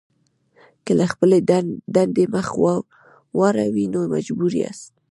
که له خپلې دندې مخ واړوئ نو مجبور یاست.